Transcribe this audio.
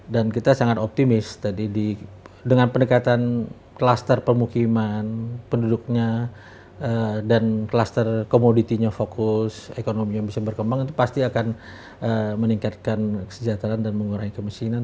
dan kita sangat optimis dengan pendekatan kluster pemukiman penduduknya dan kluster komoditinya fokus ekonominya bisa berkembang pasti akan meningkatkan kesejahteraan dan mengurangi kemiskinan